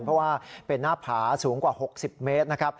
เพราะว่าเป็นหน้าผาสูงกว่า๖๐เมตรนะครับ